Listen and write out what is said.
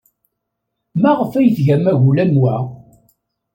Maɣef ay tgam agul am wa?